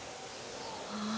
ああ。